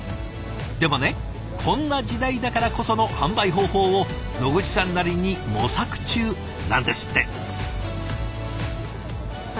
でもねこんな時代だからこその販売方法を野口さんなりに模索中なんですって。